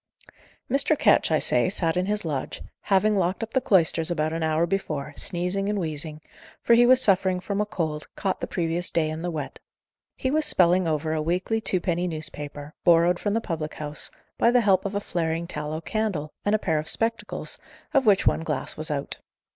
Mr. Ketch, I say, sat in his lodge, having locked up the cloisters about an hour before, sneezing and wheezing, for he was suffering from a cold, caught the previous day in the wet. He was spelling over a weekly twopenny newspaper, borrowed from the public house, by the help of a flaring tallow candle, and a pair of spectacles, of which one glass was out.